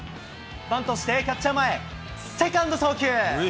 バントしてキャッチャー前、セカンド送球。